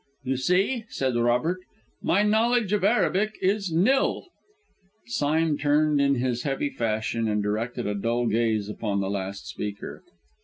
"You see," said Robert, "my knowledge of Arabic is nil " Sime turned in his heavy fashion, and directed a dull gaze upon the last speaker.